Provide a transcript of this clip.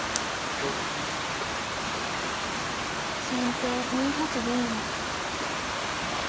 先手２八銀。